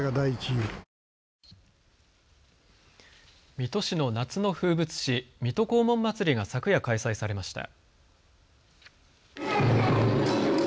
水戸市の夏の風物詩、水戸黄門まつりが昨夜開催されました。